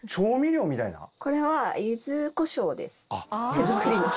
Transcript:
手作りの。